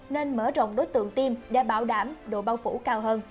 nên mở rộng đối tượng tiêm để bảo đảm độ bao phủ cao hơn